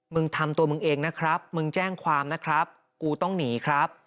ทำตัวมึงเองนะครับมึงแจ้งความนะครับกูต้องหนีครับ